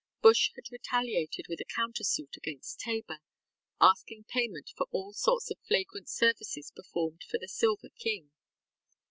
Bush had retaliated with a counter suit against Tabor, asking payment for all sorts of flagrant services performed for the Silver King.